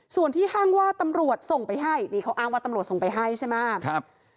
ส่วนที่ห้างว่าตำรวจส่งไปให้นี่เขาอ้างว่าตำรวจส่งไปให้ใช่ไหมครับ